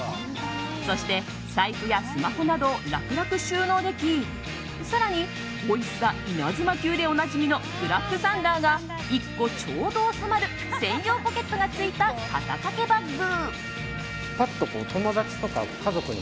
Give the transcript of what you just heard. そして、財布やスマホなどを楽々収納でき更に、おいしさイナズマ級でおなじみのブラックサンダーが１個ちょうど収まる専用ポケットがついた肩掛けバッグ。